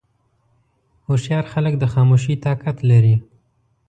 هوښیار خلک د خاموشۍ طاقت لري.